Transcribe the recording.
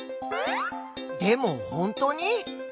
でもほんとに？